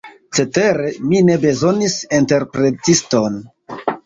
Cetere, mi ne bezonis interpretiston.